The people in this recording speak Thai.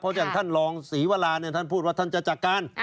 เพราะฉะนั้นท่านลองศรีวราท่านพูดว่าท่านจะจัดการ